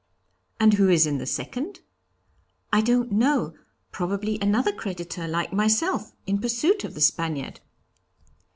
'And who is in the second?' 'I don't know, probably another creditor, like myself, in pursuit of the Spaniard.'